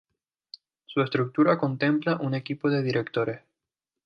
Su estructura contempla un equipo de directores.